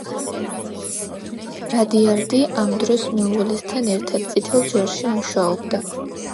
რადიარდი ამ დროს მეუღლესთან ერთად წითელ ჯვარში მუშაობდა.